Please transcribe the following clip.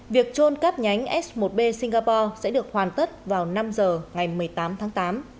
việc trôn cát nhánh s một b singapore sẽ được hoàn tất vào năm giờ ngày một mươi tám tháng tám